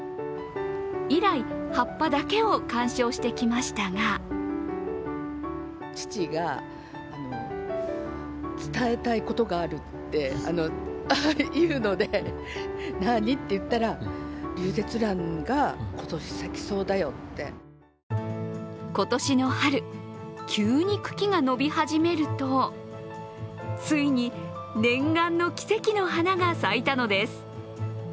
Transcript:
以来、葉っぱだけを鑑賞してきましたが今年の春、急に茎が伸び始めるとついに念願の奇跡の花が咲いたのです。